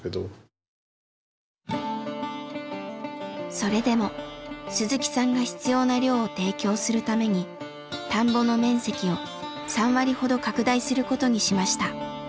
それでも鈴木さんが必要な量を提供するために田んぼの面積を３割ほど拡大することにしました。